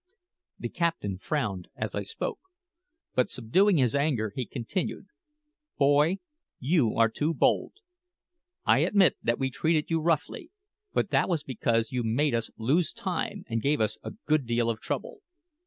The captain frowned as I spoke; but, subduing his anger, he continued, "Boy, you are too bold. I admit that we treated you roughly, but that was because you made us lose time and gave us a good deal of trouble.